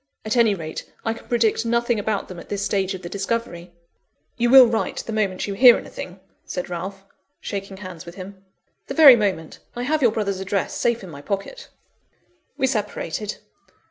At any rate, I can predict nothing about them at this stage of the discovery." "You will write the moment you hear anything?" said Ralph, shaking hands with him. "The very moment. I have your brother's address safe in my pocket." We separated.